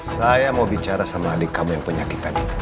saya mau bicara sama adik kamu yang punya kepaninan